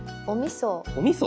おみそ。